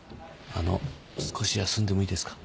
あの少し休んでもいいですか？